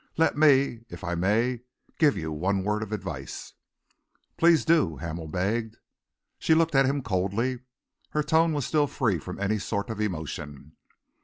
Let me, if I may, give you one word of advice." "Please do," Hamel begged. She looked at him coldly. Her tone was still free from any sort of emotion.